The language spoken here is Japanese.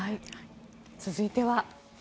続いては。